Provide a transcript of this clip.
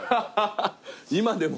今でも？